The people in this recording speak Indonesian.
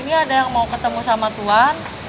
ini ada yang mau ketemu sama tuhan